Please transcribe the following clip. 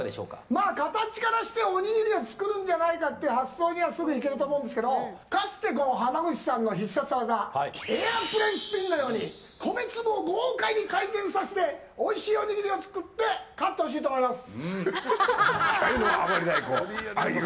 まあ形からして、おにぎりを作るんじゃないかという発想にはすぐいけると思うんですけどかつて浜口さんの必殺技エアープレーンスピンのように米粒を豪快に回転させておいしいおにぎりを作って、勝ってほしいと思います。